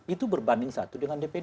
itu berbanding satu dengan dpd